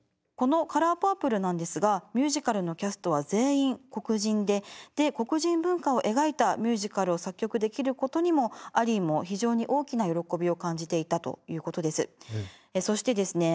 この「カラーパープル」なんですがミュージカルのキャストは全員黒人でで黒人文化を描いたミュージカルを作曲できることにもアリーも非常に大きな喜びを感じていたということです。